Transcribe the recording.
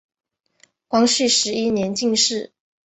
光绪十一年进士。